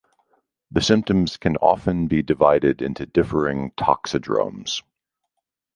The symptoms can often be divided into differing toxidromes.